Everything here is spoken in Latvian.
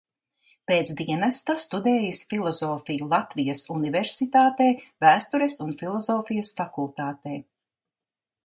Pēc dienesta studējis filozofiju Latvijas Universitātē, Vēstures un filozofijas fakultātē.